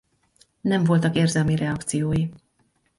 Nem voltak érzelmi reakciói.